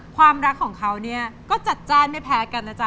ความรักของเขาเนี่ยก็จัดจ้านไม่แพ้กันนะจ๊